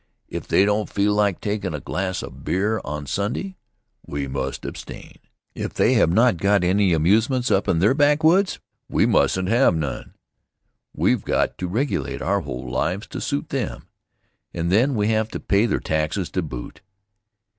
If they don't feel like takin' a glass of beer on Sunday, we must abstain. If they have not got any amusements up in their backwoods, we mustn't have none. We've got to regulate our whole lives to suit them. And then we have to pay their taxes to boot.